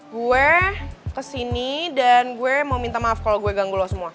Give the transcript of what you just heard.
gue kesini dan gue mau minta maaf kalau gue ganggu lo semua